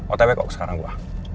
otw kok sekarang gue